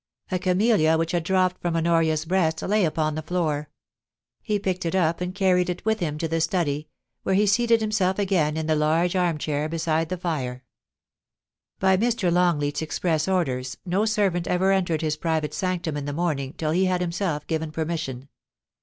A cameUia which had dropped from Honoria's breast lay upon the floor. He picked it up and carried it with him to the study, where he seated himself again in the large arm chair beside the fire. 4e «*««* By Mr. Longleat's express orders, no servant ever entered his private sanctum in the morning till he had himself given permission.